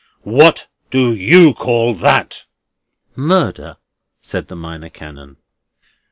What do you call that?" "Murder," said the Minor Canon.